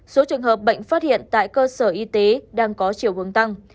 số trường hợp bệnh phát hiện tại cơ sở y tế đang có chiều hướng tăng